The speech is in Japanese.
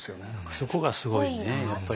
そこがすごいねやっぱり。